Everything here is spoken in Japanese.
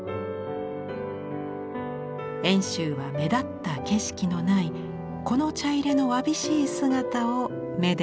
遠州は目立った景色のないこの茶入れのわびしい姿を愛でたのです。